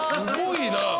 すごいな。